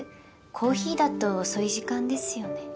コーヒーだと遅い時間ですよね。